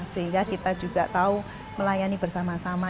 sehingga kita juga tahu melayani bersama sama